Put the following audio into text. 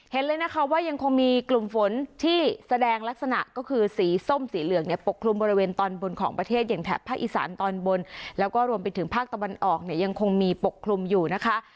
เห็นเลยนะคะว่ายังคงมีกลุ่มฝนที่แสดงลักษณะก็คือสีส้มสีเหลืองเนี่ยปกคลุมบริเวณตอนบนของประเทศอย่างแถบภาคอีสานตอนบนแล้วก็รวมไปถึงภาคตะวันออกเนี่ยยังคงมีปกคลุมอยู่นะคะ